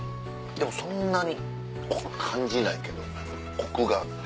でもそんなに感じないけどコクがあって。